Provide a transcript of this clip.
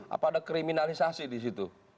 apa ada kriminalisasi disitu